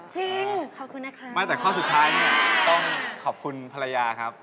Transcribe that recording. จริงขอบคุณนะครับ